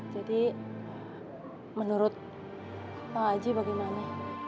jadi menurut pak aji bagaimana